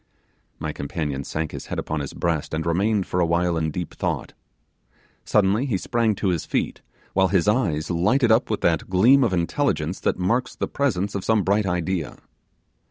My companion sank his head upon his breast, and remained for a while in deep thought. Suddenly he sprang to his feet, while his eyes lighted up with that gleam of intelligence that marks the presence of some bright idea.